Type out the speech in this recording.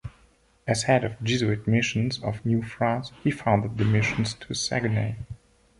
As head of Jesuit missions of New France, he founded the missions to Saguenay.